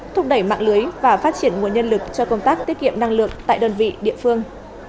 thúc đẩy mạng lưới và phát triển nguồn nhân lực cho công tác tiết kiệm năng lượng tại đơn vị địa phương